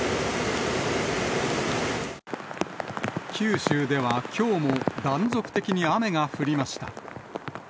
九州ではきょうも断続的に雨が降りました。